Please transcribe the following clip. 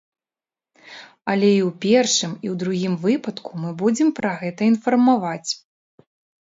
Але і ў першым, і ў другім выпадку мы будзем пра гэта інфармаваць.